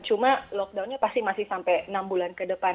cuma lockdownnya pasti masih sampai enam bulan ke depan